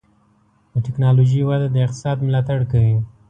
د ټکنالوجۍ وده د اقتصاد ملاتړ کوي.